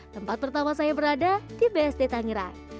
tempat pertama saya berada di bsd tangerang